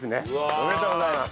おめでとうございます。